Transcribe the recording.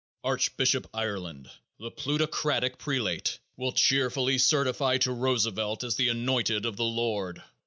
Archbishop Ireland, the plutocratic prelate, will cheerfully certify to Roosevelt as the anointed of the Lord.